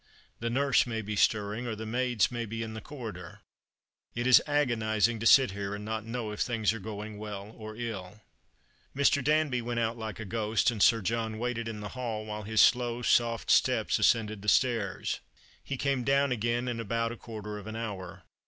The nurse may be stirring, or the maids may be in the corridor. It is agonizing to sit here, and not know if things are going well or ill." Mr. Danbv went out like a ghost, and Sir John waited in the hall while his slow soft steps ascended the stairs. He came down again in about a quarter of an hour.